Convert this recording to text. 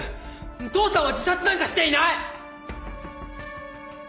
父さんは自殺なんかしていない！